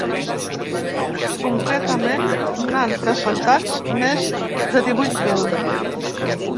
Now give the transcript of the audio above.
Concretament, n’han presentats més de divuit mil.